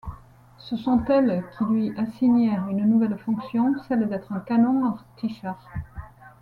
Ce sont elles qui lui assignèrent une nouvelle fonction, celle d’être un canon antichar.